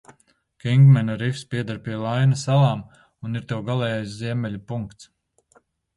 Kingmena rifs pieder pie Laina salām un ir to galējais ziemeļu punkts.